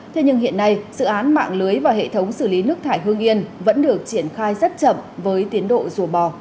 thế nhưng hiện nay dự án mạng lưới và hệ thống xử lý nước thải hương yên vẫn được triển khai rất chậm với tiến độ rùa bò